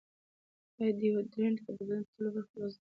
ایا ډیوډرنټ د بدن په ټولو برخو کې اغېزمن دی؟